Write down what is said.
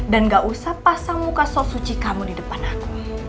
dan gak usah pasang muka sok suci kamu di depan aku